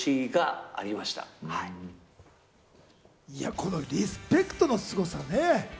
このリスペクトのすごさね。